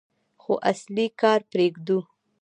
خو اصلي کار پرېږدو.